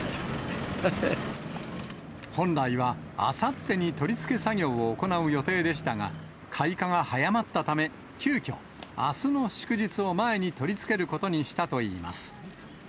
本来は、あさってに取り付け作業を行う予定でしたが、開花が早まったため、急きょ、あすの祝日を前に取り付けることにしたといいます。